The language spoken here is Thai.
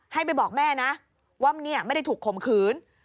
ให้ไปบอกแม่นะว่าเนี่ยไม่ได้ถูกข่มขืน